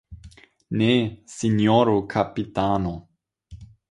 Ne, sinjoro kapitano.